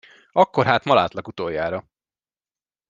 Akkor hát ma látlak utoljára!